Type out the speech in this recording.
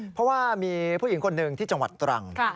เพราะว่ามีผู้หญิงคนหนึ่งที่จังหวัดตรัง